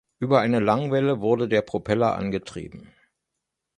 Über eine Langwelle wurde der Propeller angetrieben.